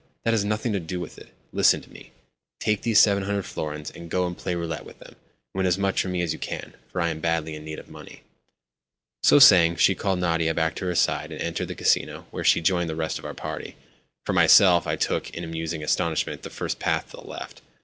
"That has nothing to do with it. Listen to me. Take these 700 florins, and go and play roulette with them. Win as much for me as you can, for I am badly in need of money." So saying, she called Nadia back to her side, and entered the Casino, where she joined the rest of our party. For myself, I took, in musing astonishment, the first path to the left.